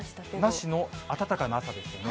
なしの暖かな朝でしたね。